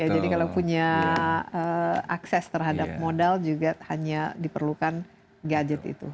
jadi kalau punya akses terhadap modal juga hanya diperlukan gadget itu